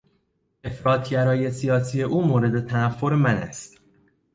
افراط گرایی سیاسی او مورد تنفر من است.